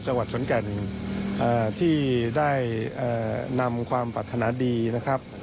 จังหวัดขอนแก่นที่ได้นำความปรัฐนาดีนะครับ